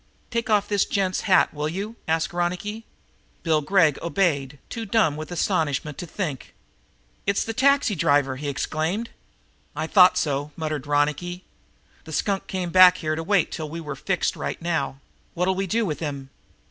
"Take off this gent's hat, will you?" asked Ronicky. Bill Gregg obeyed, too dumb with astonishment to think. "It's the taxi driver!" he exclaimed. "I thought so!" muttered Ronicky. "The skunk came back here to wait till we were fixed right now. What'll we do with him?"